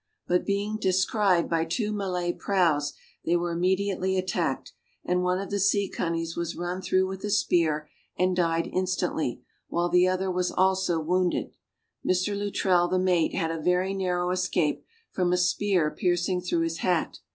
But being descried by two Malay prows, they were immediately attacked, and one of the seacunnies was run through with a spear and died instantly, while the other was also wounded. Mr. Luttrell, the mate, had a very narrow escape from a spear piercing through his hat.